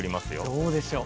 どうでしょう？